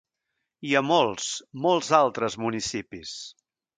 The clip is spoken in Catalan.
I a molts, molts altres municipis!